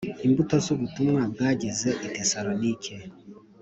Imbuto z ubutumwa bwageze i tesalonike